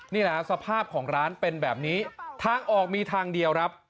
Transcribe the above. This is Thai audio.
นี่แหละสภาพของร้านเป็นแบบนี้ทางออกมีทางเดียวครับ